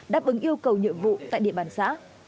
đáp ứng yêu cầu nhiệm vụ tại địa bàn xã